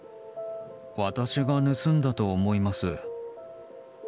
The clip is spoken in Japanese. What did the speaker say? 私が盗んだと思います。